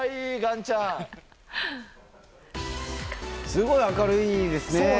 すごい明るいですね。